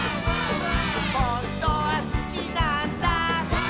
「ほんとはすきなんだ」